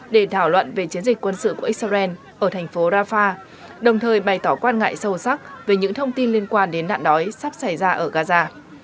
để thảo luận về chiến dịch quân sự của israel ở thành phố rafah đồng thời bày tỏ quan ngại sâu sắc về những thông tin liên quan đến nạn đói sắp xảy ra ở gaza